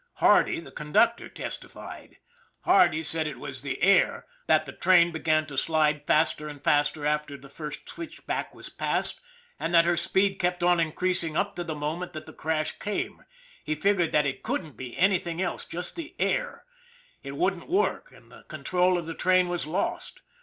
Hardy, the conductor, testified. Hardy said it was 168 ON THE IRON AT BIG CLOUD the " air ;" that the train began to slide faster and faster after the first switch back was passed and that her speed kept on increasing up to the moment that the crash came. He figured that it couldn't be anything else just the " air " it wouldn't work and the con trol of the train was lost.